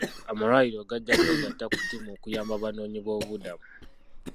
Amalwaliro gajja kwegatta ku ttiimu okuyamba abanoonyiboobubudamu.